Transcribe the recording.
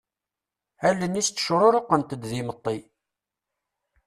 Allen-is ttecruruqent-d d imeṭṭi.